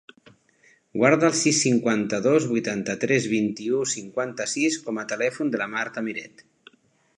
Guarda el sis, cinquanta-dos, vuitanta-tres, vint-i-u, cinquanta-sis com a telèfon de la Marta Miret.